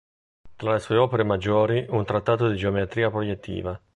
Tra le sue opere maggiori, un "Trattato di geometria proiettiva".